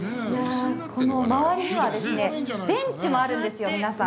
この周りにはベンチもあるんですよ、皆さん。